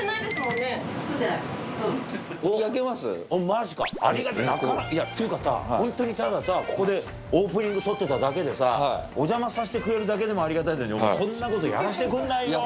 マジかありがたいっていうかさホントにたださここでオープニング撮ってただけでさお邪魔させてくれるだけでもありがたいのにこんなことやらせてくんないよ？